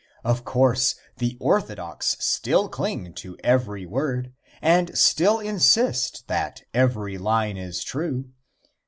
Of course, the orthodox still cling to every word, and still insist that every line is true.